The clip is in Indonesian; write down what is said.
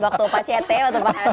waktu pak cete waktu pak heru tanjung